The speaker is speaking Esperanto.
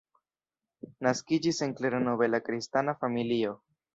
Naskiĝis en klera nobela kristana familio.